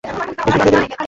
বেশি বাড় বেড়ো না।